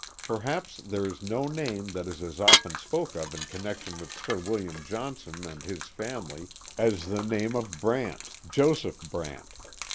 Perhaps there is no name that is as often spoken of in con nection with Sir William Johnson and his family as the name of Brant, Joseph Brant.